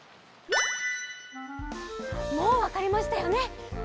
もうわかりましたよね？